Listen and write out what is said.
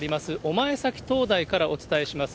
御前崎灯台からお伝えします。